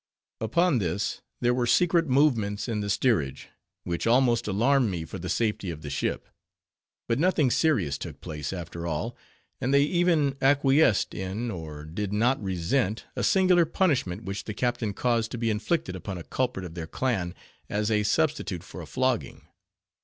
Upon this, there were secret movements in the steerage, which almost alarmed me for the safety of the ship; but nothing serious took place, after all; and they even acquiesced in, or did not resent, a singular punishment which the captain caused to be inflicted upon a culprit of their clan, as a substitute for a flogging.